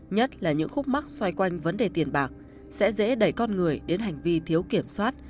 nhất là những khúc mắc xoay quanh vấn đề tiền bạc sẽ dễ đẩy con người đến hành vi thiếu kiểm soát